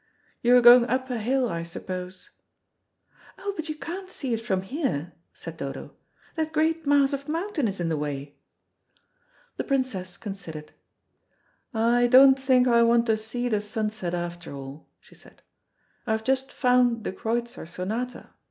"You're going up a hill, I suppose?" "Oh, but you can't see it from here," said Dodo. "That great mass of mountain is in the way." The Princess considered. "I don't think I want to see the sunset after all," she said. "I've just found the _Kreutzer Sonata.